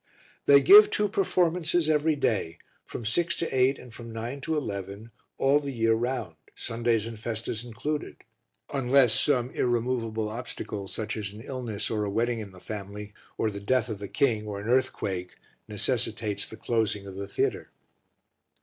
They give two performances every day, from six to eight and from nine to eleven, all the year round, Sundays and festas included, unless some irremovable obstacle, such as an illness or a wedding in the family, or the death of the king or an earthquake, necessitates the closing of the theatre.